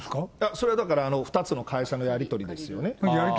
それはだから、２つの会社のやり取りですよね。